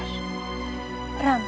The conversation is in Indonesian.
rai kita berangkat